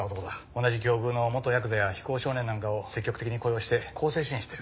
同じ境遇の元ヤクザや非行少年なんかを積極的に雇用して更生支援してる。